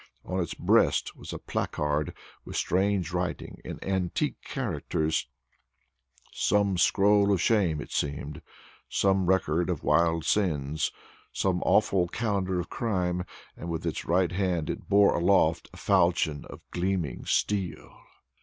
On its breast was a placard with strange writing in antique characters, some scroll of shame it seemed, some record of wild sins, some awful calendar of crime, and, with its right hand, it bore aloft a falchion of gleaming steel.